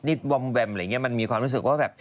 บอมแวมอะไรอย่างนี้มันมีความรู้สึกว่าแบบ